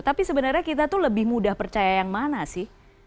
tapi sebenarnya kita tuh lebih mudah percaya yang mana sih